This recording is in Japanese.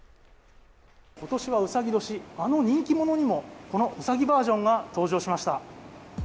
今年はうさぎ年、あの人気者にもこのうさぎバージョンが登場しました。